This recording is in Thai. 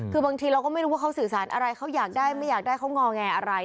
คือบางทีเราก็ไม่รู้ว่าเขาสื่อสารอะไรเขาอยากได้ไม่อยากได้เขางอแงอะไร